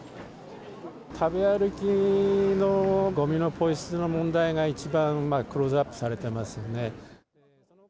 食べ歩きのごみのぽい捨ての問題が一番クローズアップされてますよね。